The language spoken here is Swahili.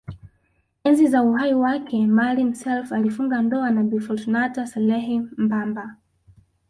Enzi za uhai wake Maalim Self alifunga ndoa na Bi Fourtuna Saleh Mbamba